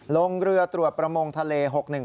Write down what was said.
ลงเรือตรวจประมงทะเล๖๑